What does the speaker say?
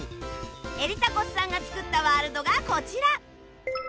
エリタコスさんが作ったワールドがこちら